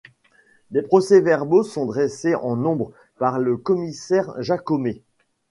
Des procès-verbaux sont dressés en nombre par le commissaire Jacomet.